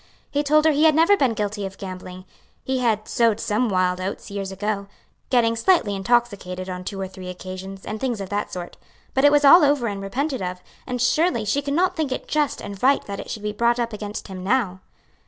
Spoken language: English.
He told her he had never been guilty of gambling; he had "sowed some wild oats," years ago getting slightly intoxicated on two or three occasions, and things of that sort but it was all over and repented of; and surely she could not think it just and right that it should be brought up against him now.